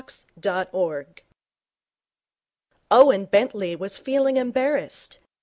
POTS O'MONEY Owen Bentley was feeling embarrassed.